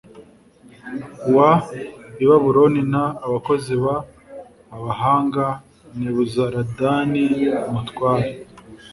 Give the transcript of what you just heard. w i babuloni n abakozi b abahanga nebuzaradani umutware